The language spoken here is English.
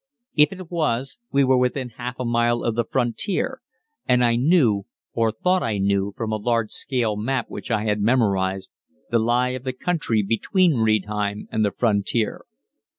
If it was, we were within half a mile of the frontier, and I knew, or thought I knew, from a large scale map which I had memorized, the lie of the country between Riedheim and the frontier.